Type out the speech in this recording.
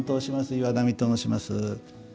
岩波と申します。